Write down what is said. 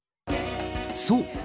そう。